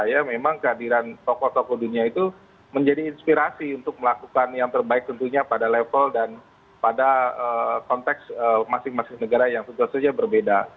ya memang kehadiran tokoh tokoh dunia itu menjadi inspirasi untuk melakukan yang terbaik tentunya pada level dan pada konteks masing masing negara yang tentu saja berbeda